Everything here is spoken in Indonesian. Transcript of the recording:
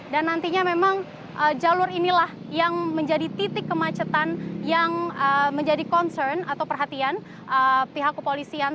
dan nantinya memang jalur inilah yang menjadi titik kemacetan yang menjadi concern atau perhatian pihak kepolisian